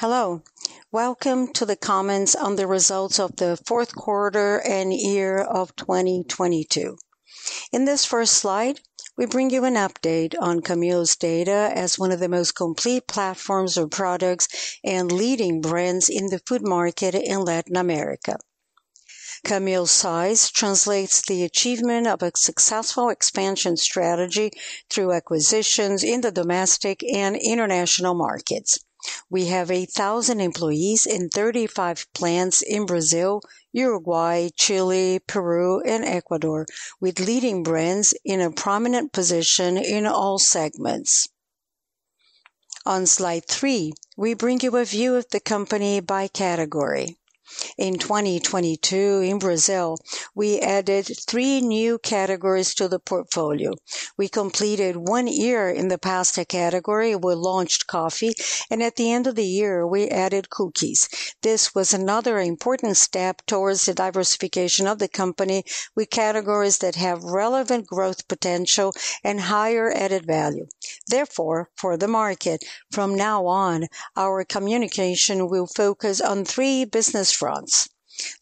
Hello. Welcome to the comments on the results of the Fourth quarter and Year of 2022. In this first slide, we bring you an update on Camil's data as one of the most complete platforms of products and leading brands in the food market in Latin America. Camil's size translates the achievement of a successful expansion strategy through acquisitions in the domestic and international markets. We have 1,000 employees in 35 plants in Brazil, Uruguay, Chile, Peru, and Ecuador, with leading brands in a prominent position in all segments. On slide three, we bring you a view of the company by category. In 2022, in Brazil, we added three new categories to the portfolio. We completed one year in the pasta category. We launched coffee, and at the end of the year, we added cookies. This was another important step towards the diversification of the company with categories that have relevant growth potential and higher added value. Therefore, for the market, from now on, our communication will focus on three business fronts: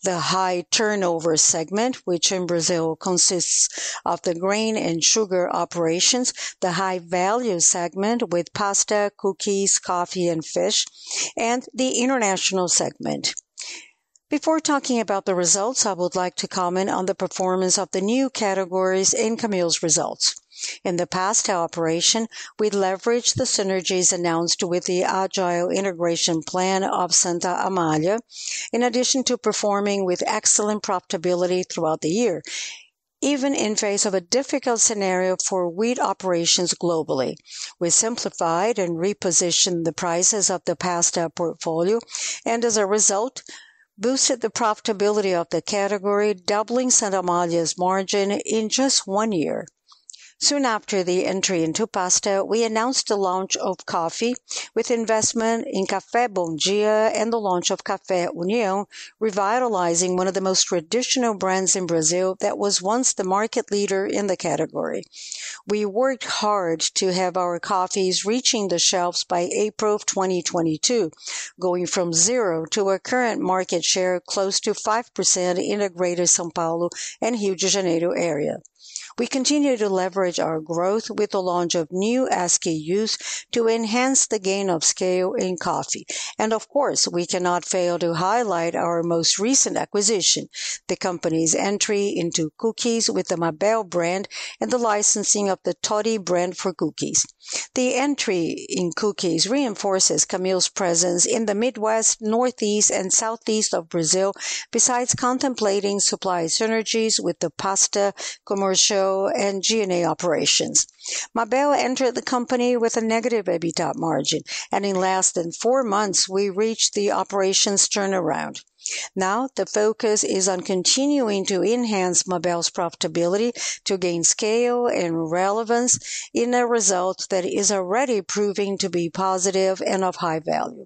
the high turnover segment, which in Brazil consists of the grain and sugar operations, the high-value segment with pasta, cookies, coffee, and fish, and the international segment. Before talking about the results, I would like to comment on the performance of the new categories in Camil's results. In the pasta operation, we leveraged the synergies announced with the Ágil integration plan of Santa Amália, in addition to performing with excellent profitability throughout the year, even in face of a difficult scenario for wheat operations globally. We simplified and repositioned the prices of the pasta portfolio and, as a result, boosted the profitability of the category, doubling Santa Amália's margin in just one year. Soon after the entry into pasta, we announced the launch of coffee with investment in Café Bom Dia and the launch of Café União, revitalizing one of the most traditional brands in Brazil that was once the market leader in the category. We worked hard to have our coffees reaching the shelves by April of 2022, going from 0 to a current market share close to 5% in the Greater São Paulo and Rio de Janeiro area. Of course, we continue to leverage our growth with the launch of new SKUs to enhance the gain of scale in coffee. Of course, we cannot fail to highlight our most recent acquisition, the company's entry into cookies with the Mabel brand and the licensing of the Toddy brand for cookies. The entry in cookies reinforces Camil's presence in the Midwest, Northeast, and Southeast of Brazil, besides contemplating supply synergies with the pasta, commercial, and G&A operations. Mabel entered the company with a negative EBITDA margin, and in less than four months, we reached the operations turnaround. Now, the focus is on continuing to enhance Mabel's profitability to gain scale and relevance in a result that is already proving to be positive and of high value.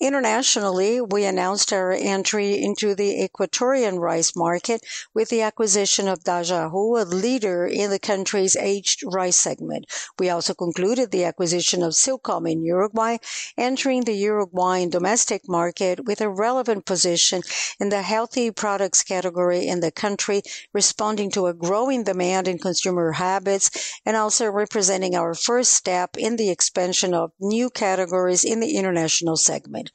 Internationally, we announced our entry into the Ecuadorian rice market with the acquisition of Dajahu, a leader in the country's aged rice segment. We also concluded the acquisition of Silcom in Uruguay, entering the Uruguayan domestic market with a relevant position in the healthy products category in the country, responding to a growing demand in consumer habits and also representing our first step in the expansion of new categories in the international segment.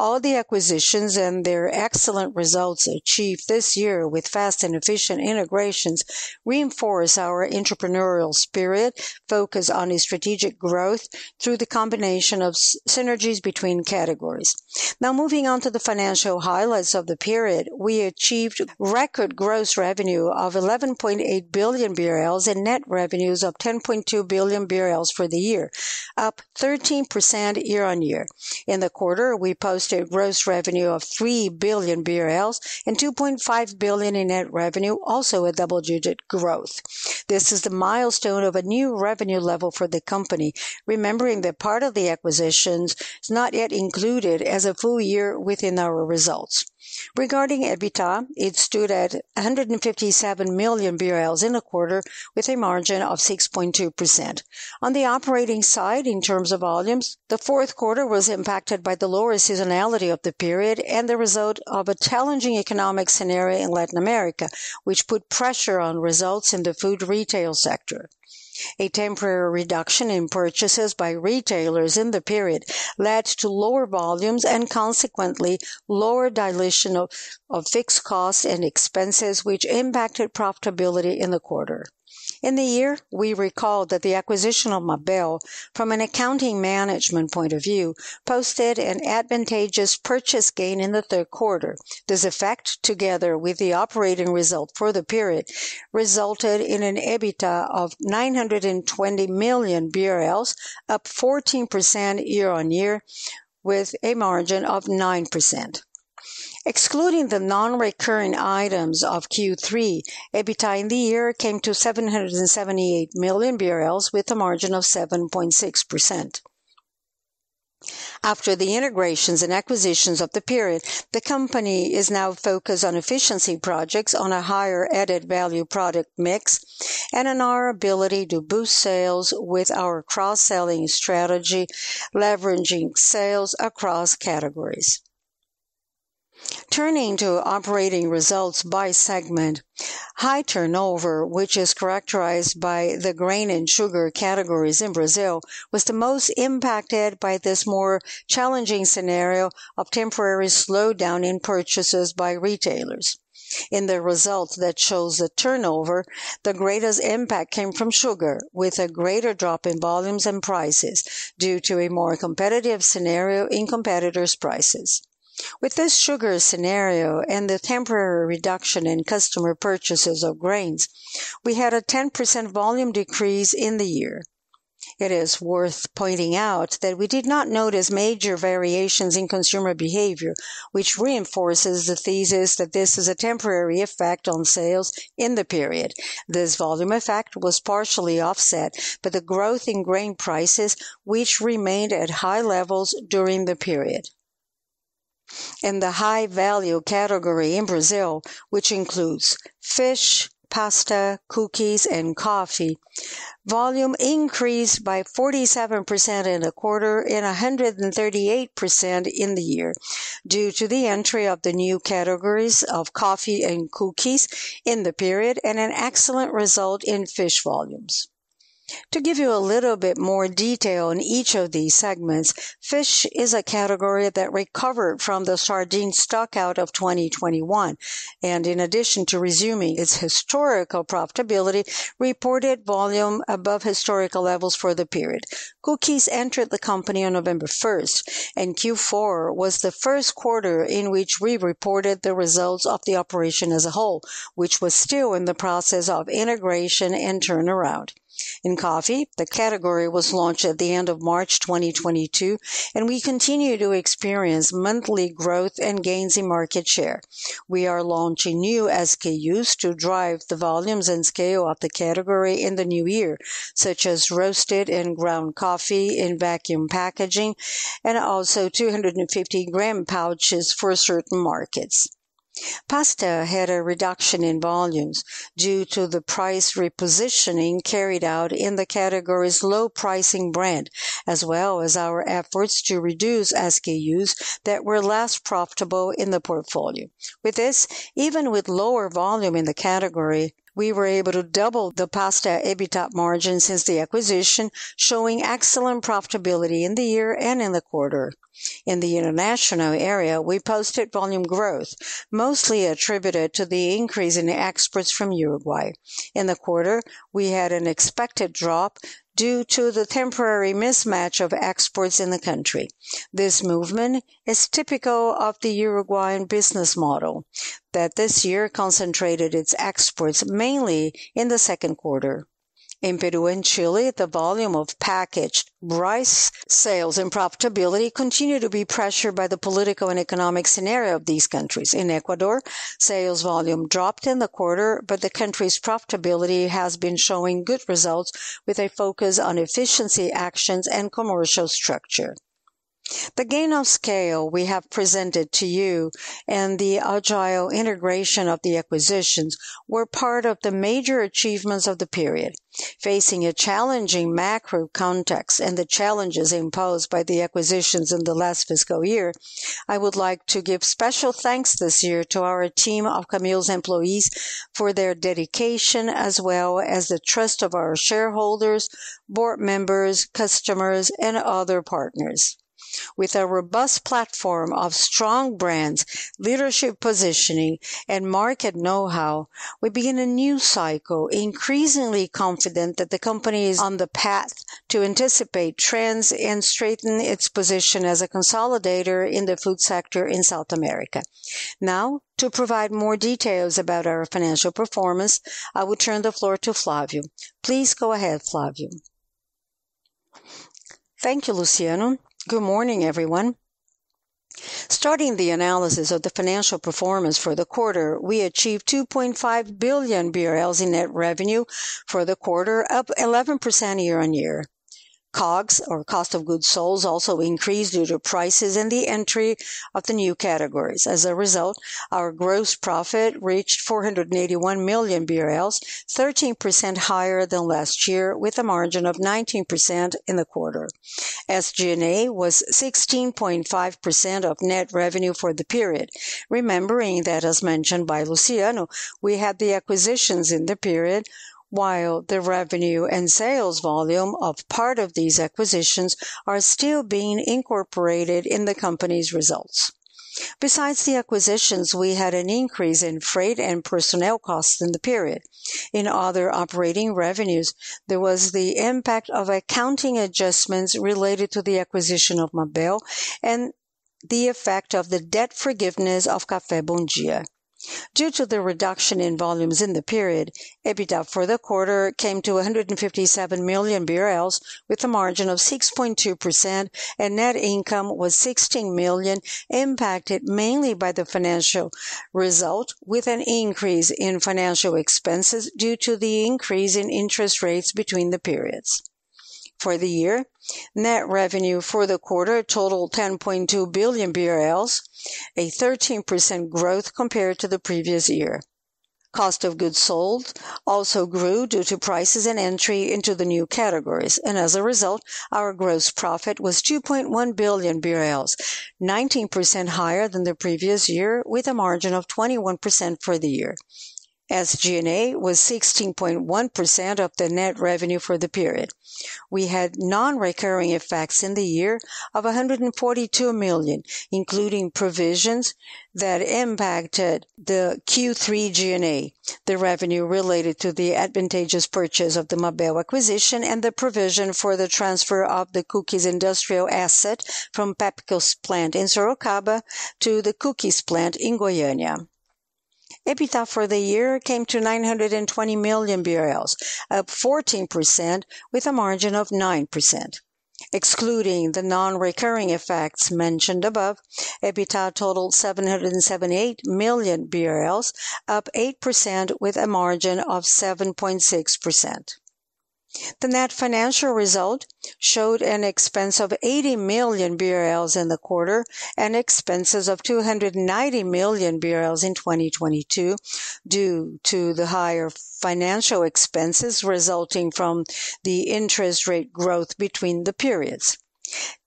All the acquisitions and their excellent results achieved this year with fast and efficient integrations reinforce our entrepreneurial spirit, focus on a strategic growth through the combination of synergies between categories. Moving on to the financial highlights of the period, we achieved record gross revenue of 11.8 billion BRL and net revenues of 10.2 billion BRL for the year, up 13% year-on-year. In the quarter, we posted gross revenue of 3 billion BRL and 2.5 billion in net revenue, also a double-digit growth. This is the milestone of a new revenue level for the company, remembering that part of the acquisition is not yet included as a full year within our results. Regarding EBITDA, it stood at 157 million BRL in the quarter with a margin of 6.2%. On the operating side, in terms of volumes, the fourth quarter was impacted by the lower seasonality of the period and the result of a challenging economic scenario in Latin America, which put pressure on results in the food retail sector. A temporary reduction in purchases by retailers in the period led to lower volumes and consequently lower dilution of fixed costs and expenses, which impacted profitability in the quarter. In the year, we recall that the acquisition of Mabel, from an accounting management point of view, posted an advantageous purchase gain in the third quarter. This effect, together with the operating result for the period, resulted in an EBITDA of 920 million BRL, up 14% year-on-year with a margin of 9%. Excluding the non-recurring items of Q3, EBITDA in the year came to 778 million BRL with a margin of 7.6%. After the integrations and acquisitions of the period, the company is now focused on efficiency projects on a higher added-value product mix and on our ability to boost sales with our cross-selling strategy, leveraging sales across categories. Turning to operating results by segment, high turnover, which is characterized by the grain and sugar categories in Brazil, was the most impacted by this more challenging scenario of temporary slowdown in purchases by retailers. In the results that shows the turnover, the greatest impact came from sugar, with a greater drop in volumes and prices due to a more competitive scenario in competitors' prices. With this sugar scenario and the temporary reduction in customer purchases of grains, we had a 10% volume decrease in the year. It is worth pointing out that we did not notice major variations in consumer behavior, which reinforces the thesis that this is a temporary effect on sales in the period. This volume effect was partially offset by the growth in grain prices, which remained at high levels during the period. In the high-value category in Brazil, which includes fish, pasta, cookies, and coffee, volume increased by 47% in the quarter and 138% in the year due to the entry of the new categories of coffee and cookies in the period and an excellent result in fish volumes. To give you a little bit more detail on each of these segments, fish is a category that recovered from the sardine stock out of 2021, and in addition to resuming its historical profitability, reported volume above historical levels for the period. Cookies entered the company on November 1st. Q4 was the first quarter in which we reported the results of the operation as a whole, which was still in the process of integration and turnaround. In coffee, the category was launched at the end of March 2022, and we continue to experience monthly growth and gains in market share. We are launching new SKUs to drive the volumes and scale of the category in the new year, such as roasted and ground coffee in vacuum packaging and also 250 gram pouches for certain markets. Pasta had a reduction in volumes due to the price repositioning carried out in the category's low pricing brand, as well as our efforts to reduce SKUs that were less profitable in the portfolio. With this, even with lower volume in the category, we were able to double the pasta EBITDA margin since the acquisition, showing excellent profitability in the year and in the quarter. In the international area, we posted volume growth, mostly attributed to the increase in exports from Uruguay. In the quarter, we had an expected drop due to the temporary mismatch of exports in the country. This movement is typical of the Uruguayan business model that this year concentrated its exports mainly in the second quarter. In Peru and Chile, the volume of packaged rice sales and profitability continue to be pressured by the political and economic scenario of these countries. In Ecuador, sales volume dropped in the quarter, but the country's profitability has been showing good results with a focus on efficiency actions and commercial structure. The gain of scale we have presented to you and the Ágil integration of the acquisitions were part of the major achievements of the period. Facing a challenging macro context and the challenges imposed by the acquisitions in the last fiscal year, I would like to give special thanks this year to our team of Camil's employees for their dedication, as well as the trust of our shareholders, board members, customers, and other partners. With a robust platform of strong brands, leadership positioning, and market know-how, we begin a new cycle, increasingly confident that the company is on the path to anticipate trends and strengthen its position as a consolidator in the food sector in South America. Now, to provide more details about our financial performance, I will turn the floor to Flavio. Please go ahead, Flavio. Thank you, Luciano. Good morning, everyone. Starting the analysis of the financial performance for the quarter, we achieved 2.5 billion BRL in net revenue for the quarter, up 11% year-on-year. COGS or cost of goods sold also increased due to prices and the entry of the new categories. As a result, our gross profit reached 481 million BRL, 13% higher than last year, with a margin of 19% in the quarter. SG&A was 16.5% of net revenue for the period. Remembering that, as mentioned by Luciano, we had the acquisitions in the period while the revenue and sales volume of part of these acquisitions are still being incorporated in the company's results. Besides the acquisitions, we had an increase in freight and personnel costs in the period. In other operating revenues, there was the impact of accounting adjustments related to the acquisition of Mabel and the effect of the debt forgiveness of Café Bom Dia. Due to the reduction in volumes in the period, EBITDA for the quarter came to 157 million BRL with a margin of 6.2%, and net income was 16 million, impacted mainly by the financial result with an increase in financial expenses due to the increase in interest rates between the periods. For the year, net revenue for the quarter totaled 10.2 billion BRL, a 13% growth compared to the previous year. Cost of goods sold also grew due to prices and entry into the new categories. As a result, our gross profit was 2.1 billion BRL, 19% higher than the previous year, with a margin of 21% for the year. G&A was 16.1% of the net revenue for the period. We had non-recurring effects in the year of 142 million, including provisions that impacted the Q3 G&A, the revenue related to the advantageous purchase of the Mabel acquisition, and the provision for the transfer of the cookies industrial asset from PepsiCo's plant in Sorocaba to the cookies plant in Goiânia. EBITDA for the year came to 920 million BRL, up 14% with a margin of 9%. Excluding the non-recurring effects mentioned above, EBITDA totaled 778 million BRL, up 8% with a margin of 7.6%. The net financial result showed an expense of 80 million BRL in the quarter and expenses of 290 million BRL in 2022 due to the higher financial expenses resulting from the interest rate growth between the periods.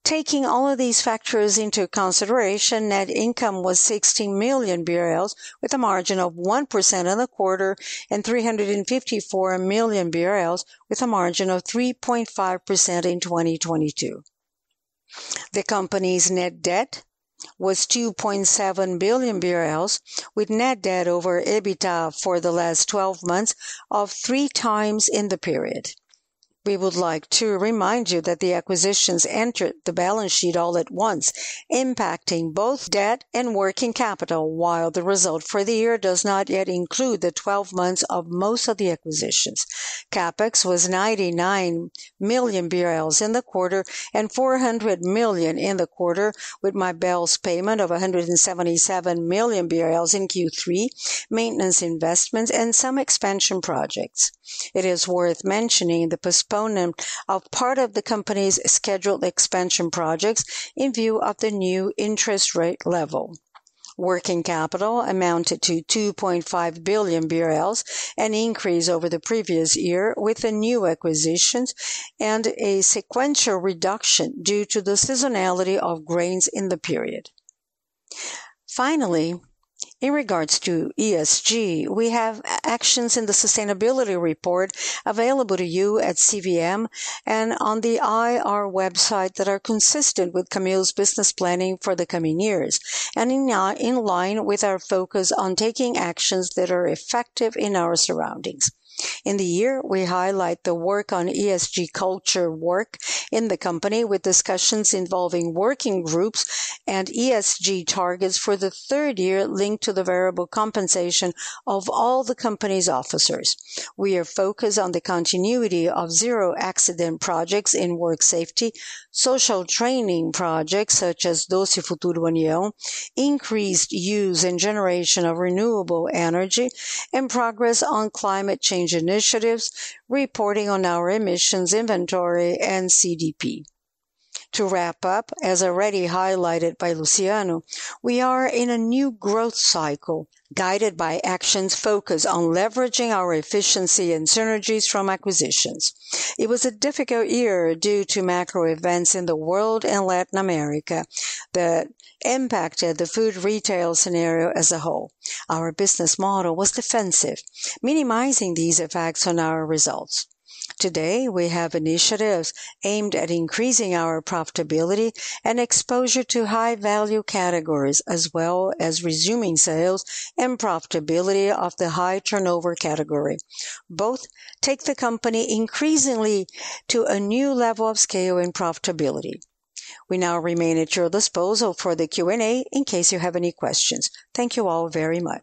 Taking all of these factors into consideration, net income was 16 million BRL with a margin of 1% in the quarter and 354 million BRL with a margin of 3.5% in 2022. The company's net debt was 2.7 billion BRL, with net debt over EBITDA for the last 12 months of 3x in the period. We would like to remind you that the acquisitions entered the balance sheet all at once, impacting both debt and working capital, while the result for the year does not yet include the 12 months of most of the acquisitions. CapEx was 99 million BRL in the quarter and 400 million in the quarter, with Mabel's payment of 177 million BRL in Q3, maintenance investments, and some expansion projects. It is worth mentioning the postponement of part of the company's scheduled expansion projects in view of the new interest rate level. Working capital amounted to 2.5 billion BRL, an increase over the previous year with the new acquisitions and a sequential reduction due to the seasonality of grains in the period. Finally, in regards to ESG, we have actions in the sustainability report available to you at CVM and on the IR website that are consistent with Camil's business planning for the coming years, and in line with our focus on taking actions that are effective in our surroundings. In the year, we highlight the work on ESG culture work in the company with discussions involving working groups and ESG targets for the third year linked to the variable compensation of all the company's officers. We are focused on the continuity of zero accident projects in work safety, social training projects such as Dose Futuro União, increased use and generation of renewable energy, and progress on climate change initiatives, reporting on our emissions inventory and CDP. To wrap up, as already highlighted by Luciano, we are in a new growth cycle guided by actions focused on leveraging our efficiency and synergies from acquisitions. It was a difficult year due to macro events in the world and Latin America that impacted the food retail scenario as a whole. Our business model was defensive, minimizing these effects on our results. Today, we have initiatives aimed at increasing our profitability and exposure to high-value categories, as well as resuming sales and profitability of the high-turnover category. Both take the company increasingly to a new level of scale and profitability. We now remain at your disposal for the Q&A in case you have any questions. Thank you all very much.